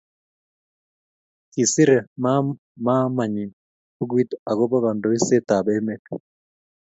kiser maamanyi bukuit akobo kandoiset ab emet